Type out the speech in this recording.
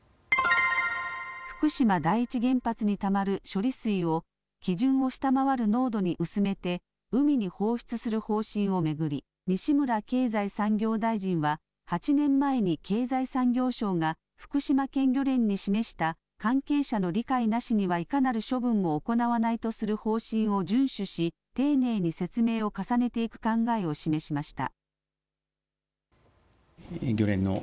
福島第一原発にたまる処理水を基準を下回る濃度に薄めて海に放出する方針を巡り西村経済産業大臣は８年前に経済産業省が福島県漁連に示した関係者の理解なしにはいかなる処分も行わないとする方針を順守し丁寧に説明を重ねていく考えを示しました。